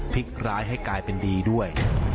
พลิกร้ายให้กลายเป็นดีด้วย